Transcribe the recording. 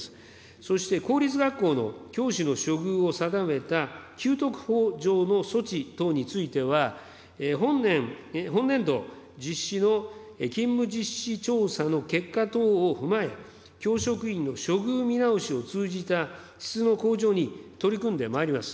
そして、公立学校の教師の処遇を定めた給特法上の措置等については、本年度実施の勤務実施調査の結果等を踏まえ、教職員の処遇見直しを通じた、質の向上に取り組んでまいります。